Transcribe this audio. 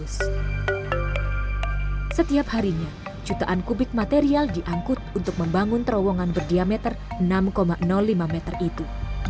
setiap harinya jutaan kubik material diangkut untuk membangun terowongan berdiameter enam lima meter itu